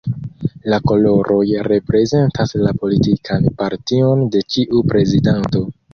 La koloroj reprezentas la politikan partion de ĉiu prezidanto.